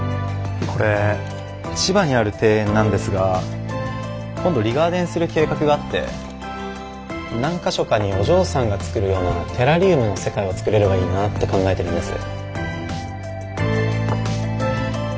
これ千葉にある庭園なんですが今度リガーデンする計画があって何か所かにお嬢さんが作るようなテラリウムの世界を作れればいいなって考えてるんです。